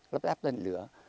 lắp ráp tên lửa